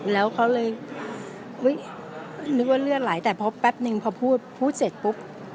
แล้วเขาเลยนึกว่าเลือดไหลแต่พอแป๊บนึงพอพูดพูดเสร็จปุ๊บ